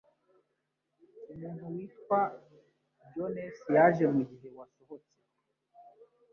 Umuntu witwa Jones yaje mugihe wasohotse.